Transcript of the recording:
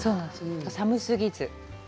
寒すぎず。